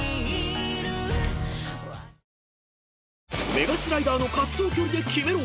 ［メガスライダーの滑走距離でキメろ！